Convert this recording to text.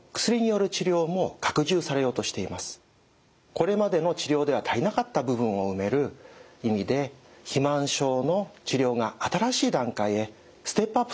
これまでの治療では足りなかった部分を埋める意味で肥満症の治療が新しい段階へステップアップすると考えています。